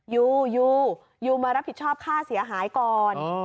ยูยูยูมารับผิดชอบค่าเสียหายก่อน